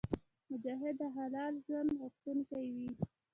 مجاهد د حلال ژوند غوښتونکی وي.